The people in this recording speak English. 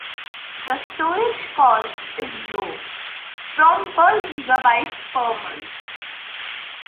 The storage cost is low, from per gigabytes per month.